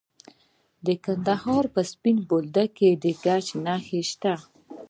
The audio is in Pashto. د کندهار په سپین بولدک کې د ګچ نښې شته.